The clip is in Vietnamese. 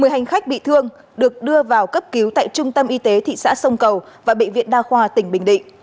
một mươi hành khách bị thương được đưa vào cấp cứu tại trung tâm y tế thị xã sông cầu và bệnh viện đa khoa tỉnh bình định